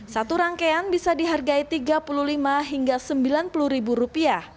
satu rangkaian bisa dihargai rp tiga puluh lima hingga rp sembilan puluh